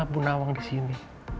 bu nawang disini